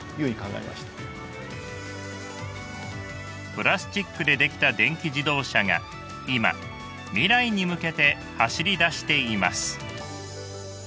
プラスチックで出来た電気自動車が今未来に向けて走りだしています。